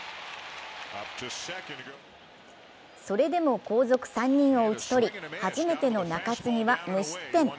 それでも後続３人を打ち取り初めての中継ぎは無失点。